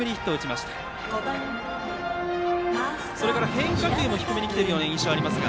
変化球も低めに来ている印象がありますが。